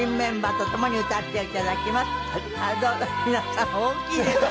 皆さん大きいですね。